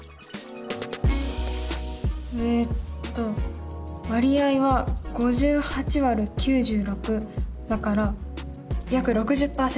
えっと割合は５８÷９６だから約６０％。